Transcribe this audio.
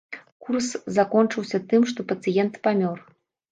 Курс закончыўся тым, што пацыент памёр.